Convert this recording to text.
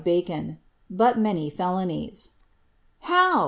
^85 Bacon, "but many felonies." "How?"